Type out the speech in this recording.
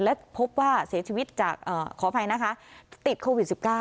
และพบว่าเสียชีวิตจากขออภัยนะคะติดโควิด๑๙